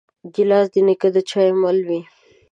ګیلاس د نیکه د چایو مل وي.